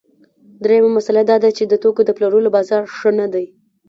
درېیمه مسئله دا ده چې د توکو د پلورلو بازار ښه نه دی